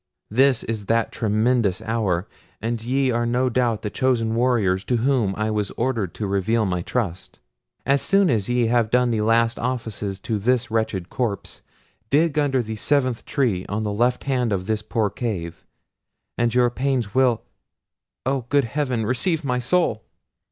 This is that tremendous hour, and ye are no doubt the chosen warriors to whom I was ordered to reveal my trust. As soon as ye have done the last offices to this wretched corse, dig under the seventh tree on the left hand of this poor cave, and your pains will—Oh! good heaven receive my soul!"